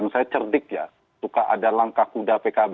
suka ada langkah kuda pkb